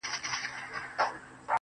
موږ د تاوان په کار کي یکایک ده ګټه کړې~